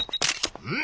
うん？